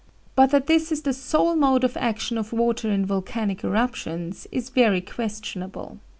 But that this is the sole mode of action of water in volcanic eruptions is very questionable.